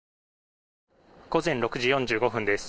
午前６時４５分です。